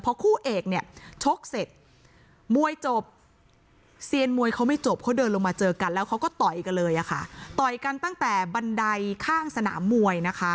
คู่เอกเนี่ยชกเสร็จมวยจบเซียนมวยเขาไม่จบเขาเดินลงมาเจอกันแล้วเขาก็ต่อยกันเลยอะค่ะต่อยกันตั้งแต่บันไดข้างสนามมวยนะคะ